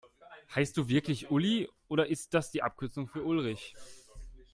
Heißt du wirklich Uli, oder ist das die Abkürzung für Ulrich?